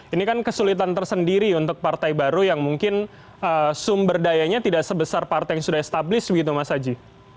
ini kan kesulitan tersendiri untuk partai baru yang mungkin sumber dayanya tidak sebesar partai yang sudah established begitu mas haji